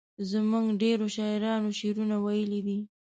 زموږ ډیرو شاعرانو شعرونه ویلي دي.